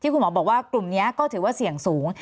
คุณหมอบอกว่ากลุ่มนี้ก็ถือว่าเสี่ยงสูง